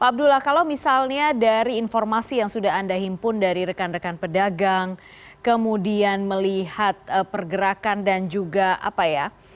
pak abdullah kalau misalnya dari informasi yang sudah anda himpun dari rekan rekan pedagang kemudian melihat pergerakan dan juga apa ya